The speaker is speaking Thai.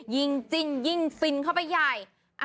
ยิ่งจิ้นยิ่งฟินเข้าไปใหญ่